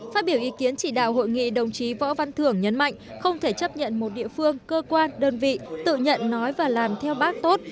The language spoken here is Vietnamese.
phát biểu ý kiến chỉ đạo hội nghị đồng chí võ văn thưởng nhấn mạnh không thể chấp nhận một địa phương cơ quan đơn vị tự nhận nói và làm theo bác tốt